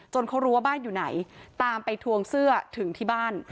เขารู้ว่าบ้านอยู่ไหนตามไปทวงเสื้อถึงที่บ้าน